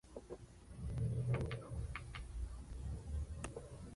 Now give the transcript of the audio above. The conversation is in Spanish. Esa sección de la pista fue programada para el reemplazo.